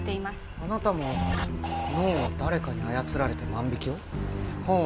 あなたも脳を誰かに操られて万引きを？